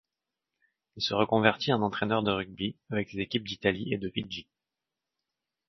Il se reconvertit en entraîneur de rugby, avec les équipes d'Italie et de Fidji.